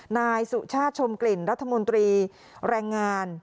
นายสุชาติชมกลิ่นรัฐมนตรีแรงงาน